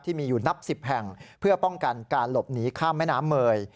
ที่มีอยู่นับ๑๐แห่งเพื่อป้องกันการหลบหนีข้ามแม่น้ำเมย